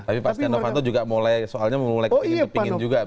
tapi pak stenovanto juga mulai soalnya mau mulai kepingin kepingin juga